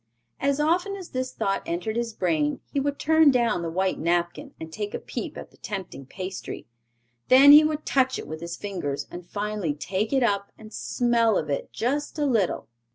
As often as this thought entered his brain, he would turn down the white napkin, and take a peep at the tempting pastry; then he would touch it with his fingers and finally take it up and smell of it just a little!